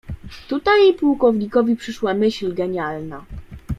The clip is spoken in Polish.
"Tutaj pułkownikowi przyszła myśl genialna."